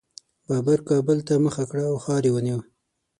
بابر کابل ته مخه کړه او ښار یې ونیو.